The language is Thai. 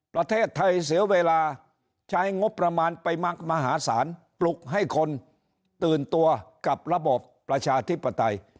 ประเทศไทยเสียเวลาใช้งบประมาณไปมหาศาลปลุกให้คนตื่นตัวกับระบบประชาธิปไตย